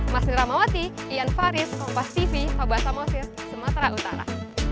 mas nira mawati iyan faris kompas tv toba samogsir sumatera utara